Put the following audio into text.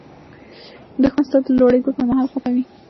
دښمن ستا د لوړېدو پر مهال خپه وي